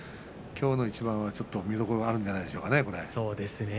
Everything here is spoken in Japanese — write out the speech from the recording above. きょうの一番はちょっと見どころがあるんじゃないですかね。